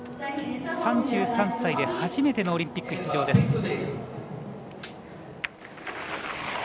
３３歳で初めてのオリンピック出場です。